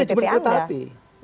karena dia menerjemahkan kereta api